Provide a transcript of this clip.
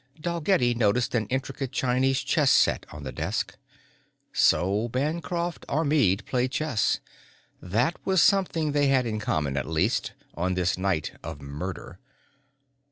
Dalgetty noticed an intricate Chinese chess set on the desk. So Bancroft or Meade played chess that was something they had in common, at least, on this night of murder.